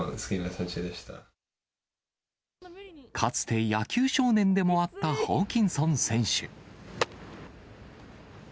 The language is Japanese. かつて野球少年でもあったホーキンソン選手。